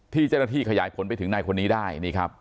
ที่เจ้าหน้าที่ขยายผลไปถึงในคนนี้ได้